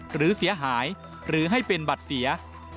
หรือเสียหายหรือให้เป็นบัตรเสีย